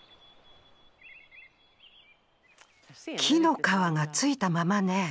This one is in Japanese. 木の皮がついたままね。